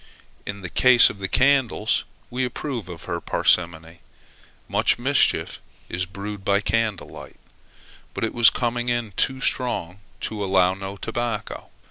In the case of the candles, we approve of her parsimony. Much mischief is brewed by candle light. But, it was coming it too strong to allow no tobacco.